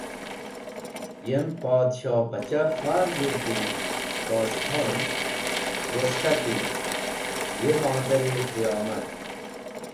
Yem Podshohbachah far g̃hirdi, Tosh Khon woz k̃hati: “Ye modar-e qiyomat!